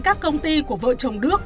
các công ty của vợ chồng đức